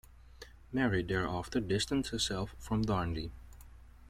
Mary thereafter distanced herself from Darnley.